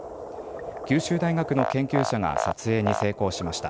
九州大学の研究者が撮影に成功しました。